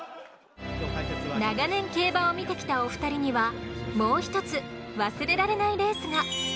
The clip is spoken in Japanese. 長年競馬を見てきたお二人にはもう１つ忘れられないレースが。